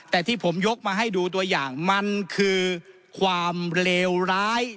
แต่ที่ผมยกมาให้ดูตัวอย่างมันคือความเลวร้าย